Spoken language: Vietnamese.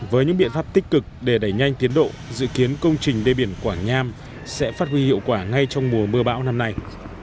với những biện pháp tích cực để đẩy nhanh tiến độ dự kiến công trình đê biển quảng nham sẽ phát huy hiệu quả ngay trong mùa mưa bão năm nay